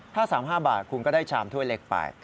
ถ้า๓๕บาทคุณก็ได้ชามถ้วยเล็กไป